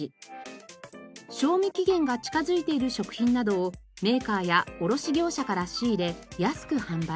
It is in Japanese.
賞味期限が近づいている食品などをメーカーや卸業者から仕入れ安く販売。